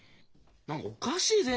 何かおかしいぜ。